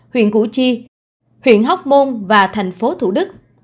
huyện củ chi huyện hóc môn và thành phố thủ đức